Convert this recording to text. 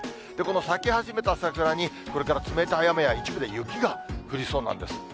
この咲き始めた桜に、これから冷たい雨や、一部で雪が降りそうなんです。